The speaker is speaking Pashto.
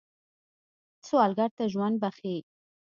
سوالګر ته ژوند بخښئ